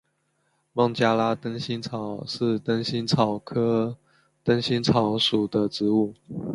孟加拉灯心草是灯心草科灯心草属的植物。